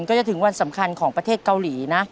ก็จะถึงวันสำคัญของประเทศเกาหลีนะ